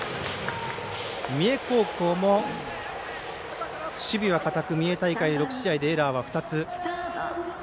三重高校も守備は堅く三重大会６試合でエラーは２つ。